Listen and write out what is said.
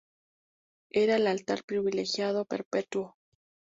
Era el Altar Privilegiado Perpetuo.